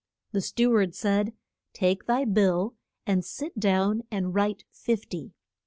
The stew ard said, Take thy bill, and sit down and write fif ty.